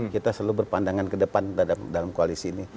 kita selalu berpandangan ke depan dalam koalisi ini